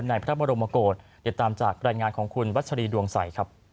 ในพระบรมโมโกรธเดี๋ยวตามจากรายงานของคุณวัชฎีดวงใส